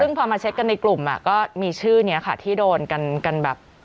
ซึ่งพอมาเช็คกันในกลุ่มก็มีชื่อนี้ค่ะที่โดนกันแบบ